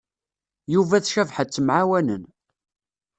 Yuba d Cabḥa ttemɛawanen.